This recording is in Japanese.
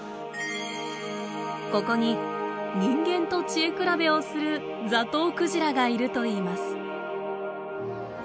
ここに人間と知恵比べをするザトウクジラがいるといいます。